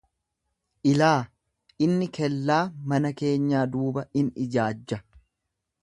Ilaa! Inni kellaa mana keenyaa duuba in ijaajja,